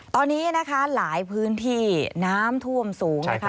ตอนนี้นะคะหลายพื้นที่น้ำท่วมสูงนะคะ